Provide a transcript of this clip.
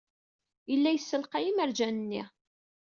Yella yessalqay imerjan-nni.